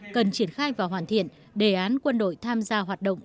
cần triển khai và hoàn thiện đề án quân đội tham gia hoạt động